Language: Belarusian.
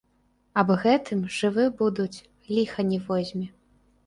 Аб гэтым жывы будуць, ліха не возьме.